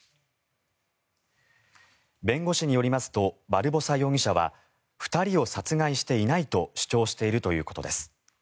弁護士によりますとバルボサ容疑者は２人を殺害していないと主張しているということです。